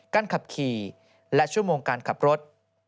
การขับขี่และชั่วโมงการขับรถ